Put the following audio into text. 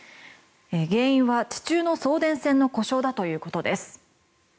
原因は地中の送電線の故障だということです。